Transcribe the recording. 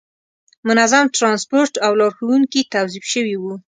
منظم ترانسپورت او لارښوونکي توظیف شوي وو.